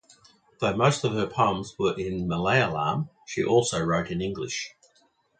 Though most of her poems were in Malayalam she also wrote in English.